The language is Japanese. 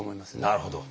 なるほど。